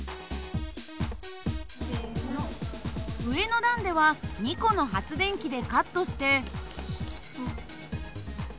上の段では２個の発電機でカットして。